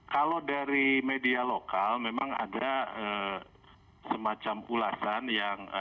kalau dari media lokal memang ada semacam ulasan yang